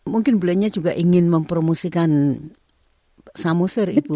mungkin belenya juga ingin mempromosikan samosir ibu